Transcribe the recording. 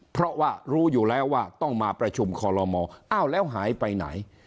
เพราะว่ารู้อยู่แล้วว่าต้องมาประชุมคอลโลมอ้าวแล้วหายไปไหน